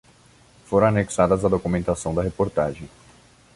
Foram anexadas à documentação da reportagem